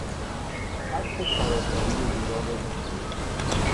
خط سراسری جوراب زنانه